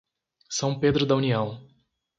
São Pedro da União